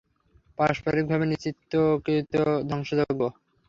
পারস্পরিকভাবে নিশ্চিতকৃত ধ্বংসযজ্ঞ।